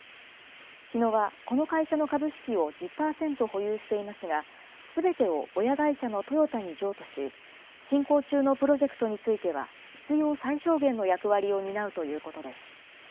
日野は、この会社の株式を１０％保有していますが、すべてを親会社のトヨタに譲渡し、進行中のプロジェクトについては、必要最小限の役割を担うということです。